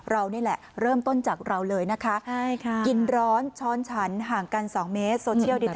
เรานี่แหละเริ่มต้นจากเราเลยนะคะใช่ค่ะกินร้อนช้อนฉันห่างกันสองเมตร